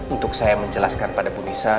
untuk saya menjelaskan pada bu nisa